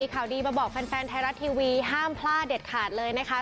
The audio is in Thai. ข่าวดีมาบอกแฟนไทยรัฐทีวีห้ามพลาดเด็ดขาดเลยนะคะ